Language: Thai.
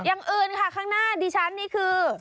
อย่างอื่นค่ะข้างหน้าดิฉันนี่คือ